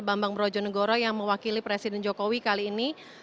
bambang brojo negoro yang mewakili presiden jokowi kali ini